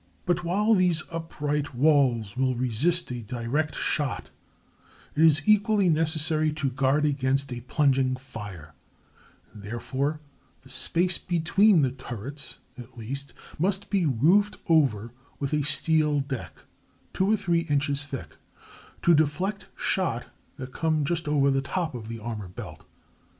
But while these upright walls will resist a direct shot, it is equally necessary to guard against a plunging fire, and therefore the space between the turrets, at least, must be roofed over with a steel deck, two or three inches thick, to deflect shot that come just over the top of the armor belt.